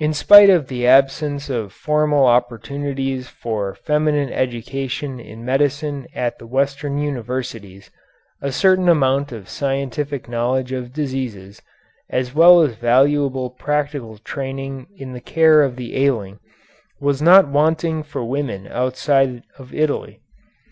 In spite of the absence of formal opportunities for feminine education in medicine at the Western universities, a certain amount of scientific knowledge of diseases, as well as valuable practical training in the care of the ailing, was not wanting for women outside of Italy.